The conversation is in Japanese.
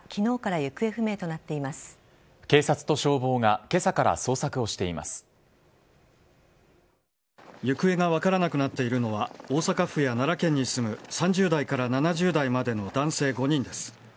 行方が分からなくなっているのは、大阪府や奈良県に住む３０代から７０代までの男性５人です。